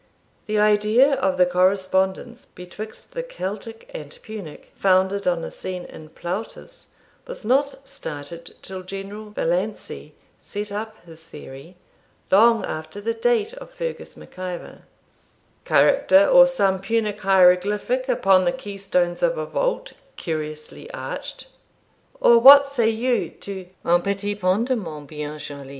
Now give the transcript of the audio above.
The idea of the correspondence betwixt the Celtic and Punic, founded on a scene in Plautus, was not started till General Vallancey set up his theory, long after the date of Fergus Mac Ivor] character or some Punic hieroglyphic upon the keystones of a vault, curiously arched. Or what say you to un petit pendement bien joli?